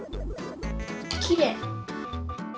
きれい。